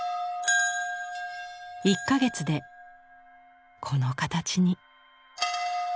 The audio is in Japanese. １か月でこの形に。